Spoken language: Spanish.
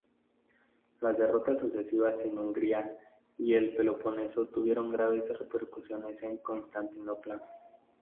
Las derrotas sucesivas en Hungría y el Peloponeso tuvieron graves repercusiones en Constantinopla.